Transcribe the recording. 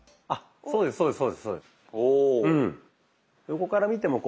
あっそうですね。